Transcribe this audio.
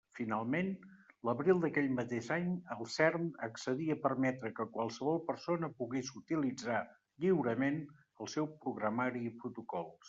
Finalment, l'abril d'aquell mateix any, el CERN accedí a permetre que qualsevol persona pogués utilitzar lliurement el seu programari i protocols.